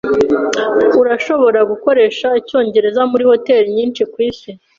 Urashobora gukoresha icyongereza muri hoteri nyinshi kwisi.